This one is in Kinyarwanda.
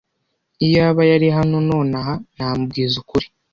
Iyaba yari hano nonaha, namubwiza ukuri.